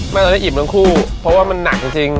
เราจะได้อิ่มทั้งคู่เพราะว่ามันหนักจริง